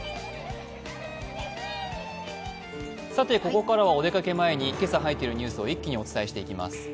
ここからはお出かけ前に今朝入っているニュースを一気にお伝えしていきます。